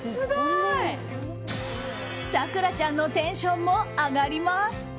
咲楽ちゃんのテンションも上がります。